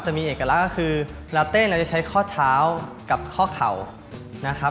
จะมีเอกลักษณ์ก็คือลาวเต้เราจะใช้ข้อเท้ากับข้อเข่านะครับ